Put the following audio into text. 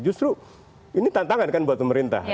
justru ini tantangan kan buat pemerintah